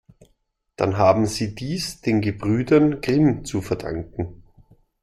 Dann haben Sie dies den Gebrüdern Grimm zu verdanken.